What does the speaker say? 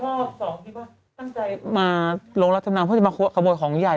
ตั้งใจมาลงรถชำนาญเพื่อจะมาขโมยของใหญ่